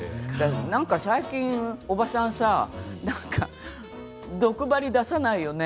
最近おばさんさああ毒針出さないよね。